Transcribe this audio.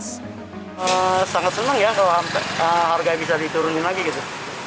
sangat senang ya kalau harga bisa diturunin lagi gitu